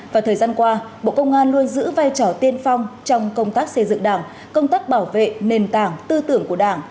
và thời gian qua bộ công an luôn giữ vai trò tiên phong trong công tác xây dựng đảng công tác bảo vệ nền tảng tư tưởng của đảng